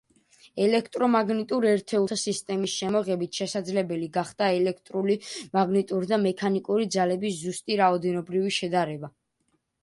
ელექტრომაგნიტურ ერთეულთა სისტემის შემოღებით შესაძლებელი გახდა ელექტრული, მაგნიტური და მექანიკური ძალების ზუსტი რაოდენობრივი შედარება.